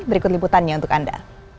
berikut liputannya untuk anda